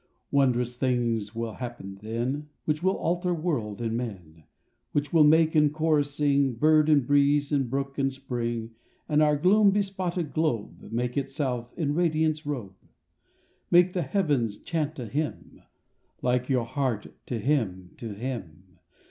... Wondrous things will happen then Which will alter world and men, Which will make in chorus sing Bird and breeze, and brook, and spring, And our gloom bespotted globe Make itself in radiance robe. Make the heavens chant a hymn Like your heart—to him, to him!